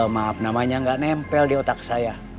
maaf namanya nggak nempel di otak saya